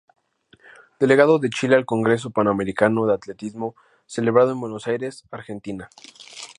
Delegado de Chile al Congreso Panamericano de Atletismo celebrado en Buenos Aires, Argentina.